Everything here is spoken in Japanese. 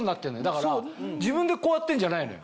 だから自分でこうやってんじゃないのよ。